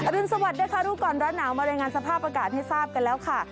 รุนสวัสดินะคะรู้ก่อนร้อนหนาวมารายงานสภาพอากาศให้ทราบกันแล้วค่ะ